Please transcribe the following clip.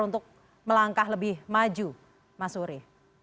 untuk melangkah lebih maju mas suri